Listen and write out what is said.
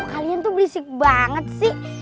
kalian tuh berisik banget sih